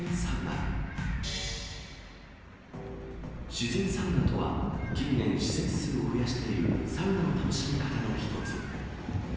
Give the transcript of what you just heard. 自然サウナとは、近年、施設数を増やしているサウナの楽しみ方の一つ。